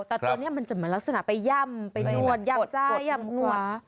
แต่ตัวนี้มันจะเหมือนลักษณะไปย่ำไปนวดย่ำซ้ายย่ำหนวด